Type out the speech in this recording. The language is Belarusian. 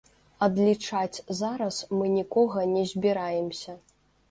Адлічаць зараз мы нікога не збіраемся.